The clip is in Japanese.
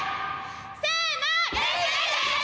せの！